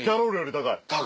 高い。